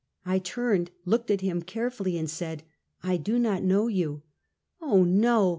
s I turned, looked at him carefully, and said: " I do not know you !"" Oh, no!